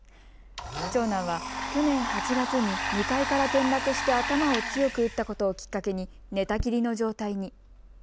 長男は去年８月に２階から転落して頭を強く打ったことをきっかけに寝たきりの状態に。